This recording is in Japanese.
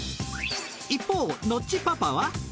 一方ノッチパパは？